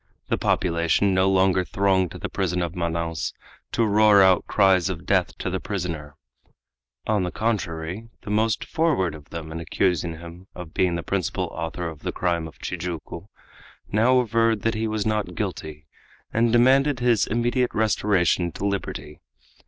The population no longer thronged to the prison of Manaos to roar out cries of death to the prisoner. On the contrary, the most forward of them in accusing him of being the principal author of the crime of Tijuco now averred that he was not guilty, and demanded his immediate restoration to liberty.